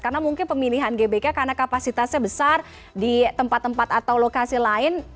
karena mungkin pemilihan gbk karena kapasitasnya besar di tempat tempat atau lokasi lain